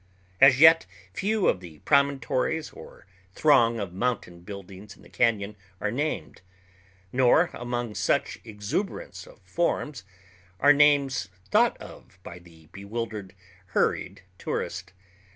As yet, few of the promontories or throng of mountain buildings in the cañon are named. Nor among such exuberance of forms are names thought of by the bewildered, hurried tourist.